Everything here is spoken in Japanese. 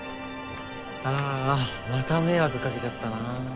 ああまた迷惑掛けちゃったな。